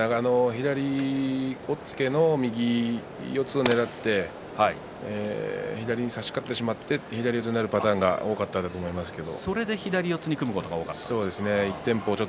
右押っつけの右四つをねらって左に差し勝ってしまって左四つになる方が多かったと思いますけど。